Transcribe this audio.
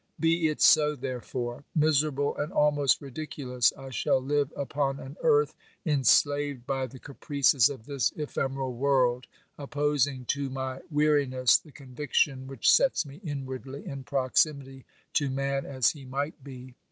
Be it so therefore ! Miserable and almost ridiculous, I shall live upon an earth enslaved by the caprices of this ephemeral world, opposing to my weariness the conviction which sets me inwardly in proximity to man as he might be.